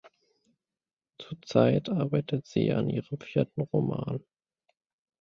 Zurzeit arbeitet sie an Ihrem vierten Roman.